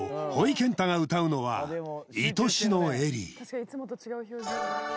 けんたが歌うのは「いとしのエリー」